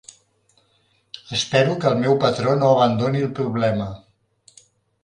Espero que el meu patró no abandoni el problema.